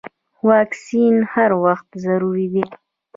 واکسین هر وخت ضروري دی.